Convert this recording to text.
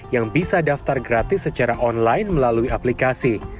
yang bisa daftar gratis secara online melalui aplikasi